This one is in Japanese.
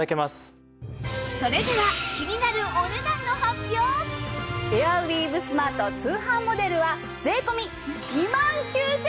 それでは気になるエアウィーヴスマート通販モデルは税込２万９８００円です！